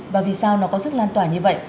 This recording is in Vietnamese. và vì sao nó có sức lan tỏa như vậy